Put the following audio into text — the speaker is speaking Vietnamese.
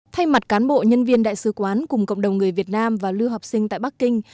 thay mặt cán bộ nhân viên đại sứ quán cùng cộng đồng người việt nam và lưu học sinh tại bắc kinh